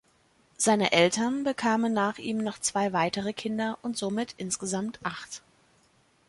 Seine Eltern bekamen nach ihm noch zwei weitere Kinder und somit insgesamt acht.